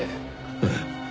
ええ。